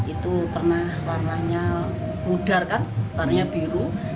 itu pernah warnanya pudar kan warnanya biru